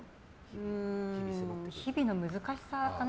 日々の難しさかな。